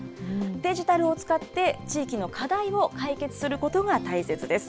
デジタルを使って地域の課題を解決することが大切です。